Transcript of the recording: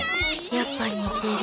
やっぱ似てる。